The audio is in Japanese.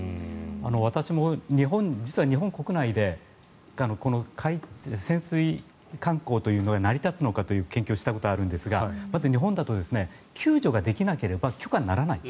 私も実は日本国内で潜水観光というのが成り立つのかという研究をしたことがあるんですがまず日本だと救助ができなければ許可にならない。